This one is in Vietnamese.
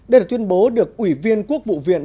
đây là tuyên bố được ủy viên quốc vụ viện